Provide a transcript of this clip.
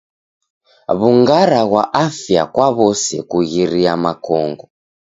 W'ungara ghwa afya kwa w'ose kughiria makongo.